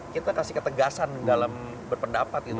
kita kasih ketegasan dalam berpendapat gitu